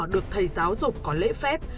được thầy giáo dục có lễ phép